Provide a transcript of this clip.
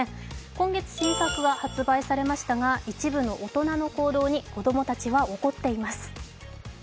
今月新作が発売されましたが一部の大人の行動に子供たちは起こっています。